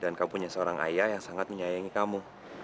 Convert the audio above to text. dan kau punya seorang ayah yang sangat menyayangi kamu